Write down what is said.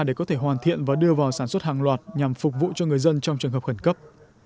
để có thể hoàn thiện và đưa vào sản xuất hàng loạt nhằm phục vụ cho người dân trong trường hợp khẩn cấp